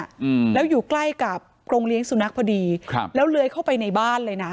อืมแล้วอยู่ใกล้กับโรงเลี้ยงสุนัขพอดีครับแล้วเลื้อยเข้าไปในบ้านเลยน่ะ